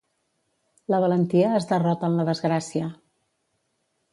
La valentia es derrota en la desgràcia.